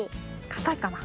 かたいかな？